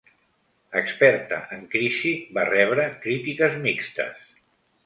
Experta en Crisi va rebre crítiques mixtes.